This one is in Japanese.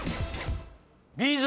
Ｂ’ｚ。